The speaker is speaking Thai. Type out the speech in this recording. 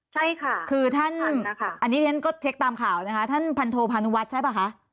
ใช่ค่ะคือท่านอันนี้ฉันก็เช็คตามข่าวนะคะท่านพันโทพานุวัฒน์ใช่ป่ะคะ